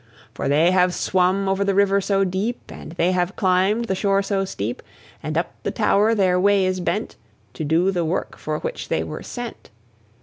For they have swum over the river so deep, And they have climbed the shore so steep; And up the tower their way is bent, To do the work for which they were sent.